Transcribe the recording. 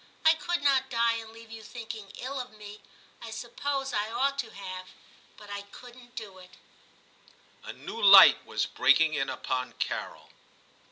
I could not die and leave you thinking ill of me. I suppose I ought to have, but I couldn't do it' A new light was breaking in upon Carol.